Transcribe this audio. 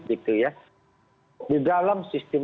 di dalam sistem